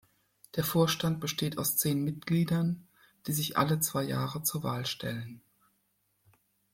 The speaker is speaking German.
Der Vorstand besteht aus zehn Mitgliedern, die sich alle zwei Jahre zur Wahl stellen.